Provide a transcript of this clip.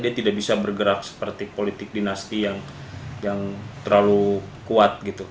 dia tidak bisa bergerak seperti politik dinasti yang terlalu kuat gitu